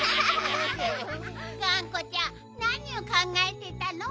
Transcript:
がんこちゃんなにをかんがえてたの？